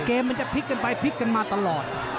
มันจะพลิกกันไปพลิกกันมาตลอด